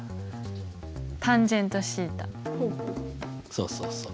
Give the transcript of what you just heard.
そうそうそう。